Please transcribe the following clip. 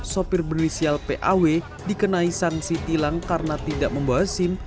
sopir bernisial paw dikenai sanksi tilang karena tidak membawa sim